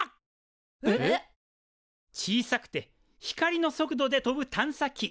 小さくて光の速度で飛ぶ探査機。